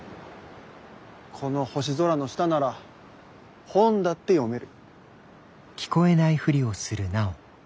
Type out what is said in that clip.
この星空の下なら本だって読める。